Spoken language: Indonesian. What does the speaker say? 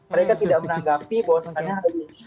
mereka tidak menganggapi bahwasanya ada di